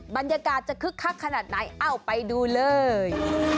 บรรยากาศจะคึกคักขนาดไหนเอ้าไปดูเลย